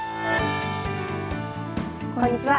こんにちは。